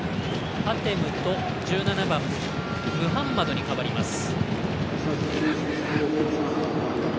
ハテムと１７番、ムハンマドに代わります。